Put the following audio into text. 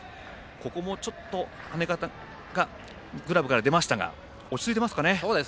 ここもちょっと跳ね方がグラブから出ましたが落ち着いてますかね。